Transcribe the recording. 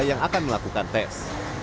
yang akan melakukan tes